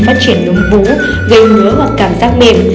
phát triển đúng vú gây ngứa hoặc cảm giác mềm